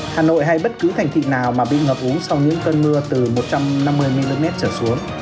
hà nội hay bất cứ thành thị nào mà bị ngập uống sau những cơn mưa từ một trăm năm mươi mm trở xuống